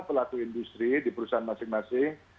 pelaku industri di perusahaan masing masing